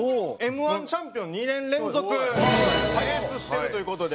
Ｍ−１チャンピオン２年連続輩出してるという事で。